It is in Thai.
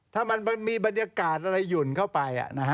ถ้ามันมีบรรยากาศอะไรหยุ่นเข้าไป